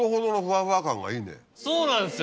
そうなんですよ！